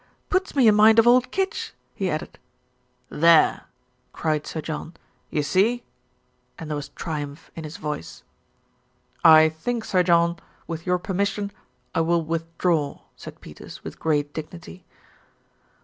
"Puts me in mind of old Kitch," he added. "There !" cried Sir John. "You see?" and there was triumph in his voice. SSO THE RETURN OF ALFRED "I think, Sir John, with your permission, I will with draw," said Peters with great dignity.